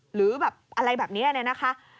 หรืออะไรแบบนี้นี่นะคะ